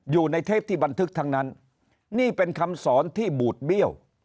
เทปที่บันทึกทั้งนั้นนี่เป็นคำสอนที่บูดเบี้ยว